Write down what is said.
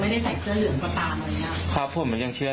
มึงอยากให้ผู้ห่างติดคุกหรอ